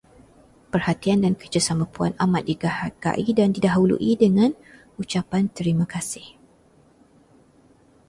Perhatian dan kerjasama Puan amat dihargai dan didahului dengan ucapan terima kasih.